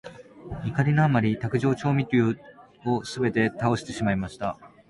怒りのあまり、卓上調味料をすべて倒してしまいました。